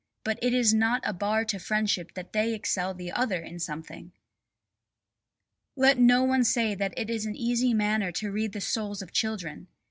But it is not a bar to friendship that they excel the other in something. Let no one say that it is an easy matter to read the souls of children!